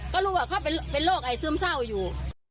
ก็รู้ว่าเขาเป็นโรคไอซึมเศร้าอยู่